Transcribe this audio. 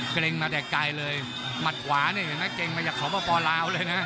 เกรงมาแดกเลยมัดขวานี่เกรงแบบจะเข้ามาป่อลาวเลยนะ